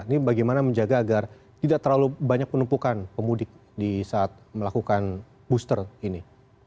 ini bagaimana menjaga agar tidak terlalu banyak penumpukan pemudik di saat melakukan booster ini